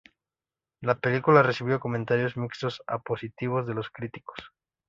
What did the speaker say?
La película recibió comentarios mixtos a positivos de los críticos.